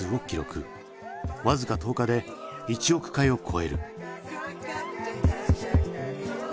僅か１０日で１億回を超える。